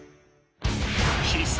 必殺！